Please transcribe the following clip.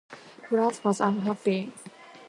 France was unhappy.